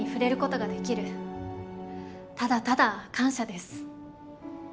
ただただ感謝です。